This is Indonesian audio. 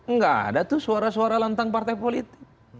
nggak ada tuh suara suara lantang partai politik